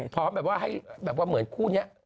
พร้อมแบบว่าให้แบบว่าเหมือนคู่นี้